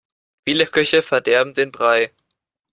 Viele Köche verderben den Brei.